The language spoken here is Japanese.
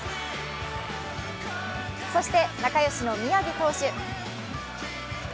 そして、仲良しの宮城投手。